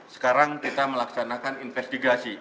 sekarang kita melaksanakan investigasi